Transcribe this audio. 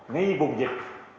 ngay vùng dịch